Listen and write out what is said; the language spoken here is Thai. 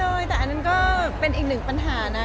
อเรนนี่แรกยังไม่กลัวคนเลยแต่อันนั้นก็เป็นอีกหนึ่งปัญหานะ